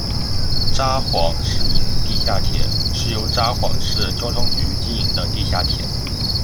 札幌市营地下铁是由札幌市交通局经营的地下铁。